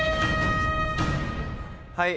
はい。